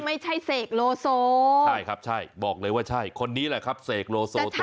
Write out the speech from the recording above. ไม่ใช่เศกโลโซใช่ครับใช่บอกเลยว่าใช่คนนี้แหละครับเศกโลโซตัวจริง